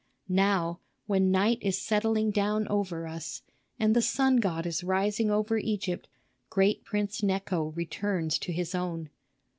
"Now, when night is settling down over us, and the sun god is rising over Egypt, great Prince Necho returns to his own.